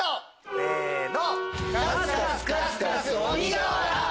せの！